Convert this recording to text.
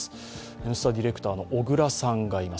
「Ｎスタ」ディレクターの小倉さんがいます。